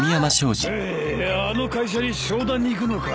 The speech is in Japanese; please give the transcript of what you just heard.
へえあの会社に商談に行くのかい。